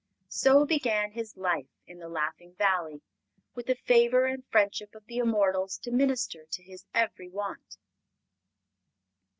So began his life in the Laughing Valley, with the favor and friendship of the immortals to minister to his every want.